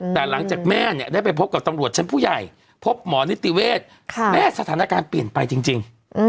แต่หลังจากแม่เนี่ยได้ไปพบกับตำรวจชั้นผู้ใหญ่พบหมอนิติเวศแม่สถานการณ์เปลี่ยนไปจริง